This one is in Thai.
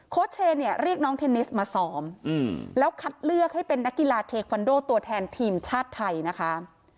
เชนเนี่ยเรียกน้องเทนนิสมาซ้อมแล้วคัดเลือกให้เป็นนักกีฬาเทควันโดตัวแทนทีมชาติไทยนะคะ